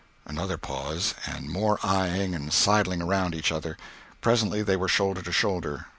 Another pause, and more eying and sidling around each other. Presently they were shoulder to shoulder.